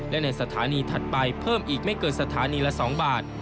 และในสถานีถัดไปเพิ่มอีกไม่เกินสถานีละ๒บาท